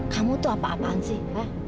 kamu tuh apa apaan sih